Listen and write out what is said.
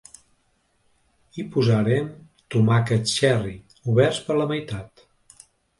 Hi posarem tomàquets xerri oberts per la meitat.